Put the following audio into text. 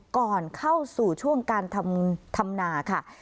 ก่อนเข้าสู่ช่วงการทำนาค่ะ